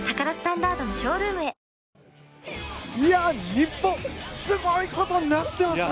日本すごいことになってますね。